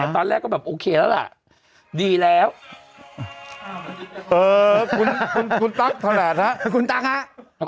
คุณตั๊กถูกเหลือแล้วคุณตั๊กครับ